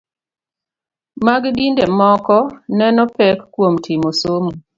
Mag dinde moko neno pek kuom timo somo